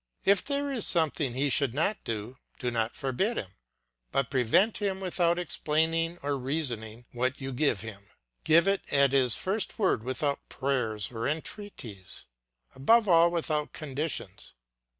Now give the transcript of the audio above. If there is something he should not do, do not forbid him, but prevent him without explanation or reasoning; what you give him, give it at his first word without prayers or entreaties, above all without conditions.